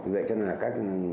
vậy cho nên là các